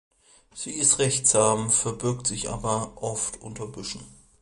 Sie ist recht zahm, verbirgt sich aber oft unter Büschen.